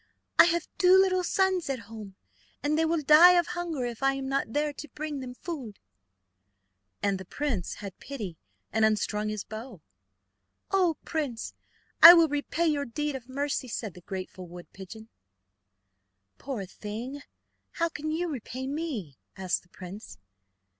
I have two little sons at home, and they will die of hunger if I am not there to bring them food." And the young prince had pity, and unstrung his bow. "Oh, prince, I will repay your deed of mercy, said the grateful wood pigeon. "Poor thing! how can you repay me?" asked the prince.